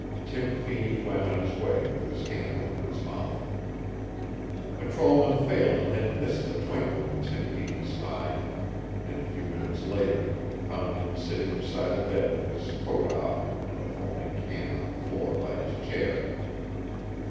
Tim Feeney went on his way with his hand over his mouth. Patrolman Phelan had missed the twinkle in Tim Feeney's eye and a few minutes later found him sitting beside a bed with his coat off and a foaming can on the floor by his chair.